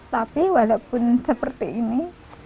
tapi walaupun seperti ini